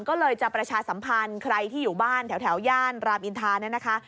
ก็เลยจะประชาสัมพันธ์ใครที่อยู่บ้านแถวย่านรามอินทาเนี่ยนะคะ